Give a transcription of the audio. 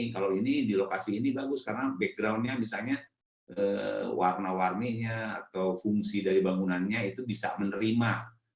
kalau ini di lokasi ini bagus karena backgroundnya misalnya warna warninya atau fungsi dari bangunannya itu bisa menerima